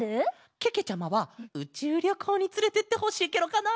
けけちゃまはうちゅうりょこうにつれてってほしいケロかな！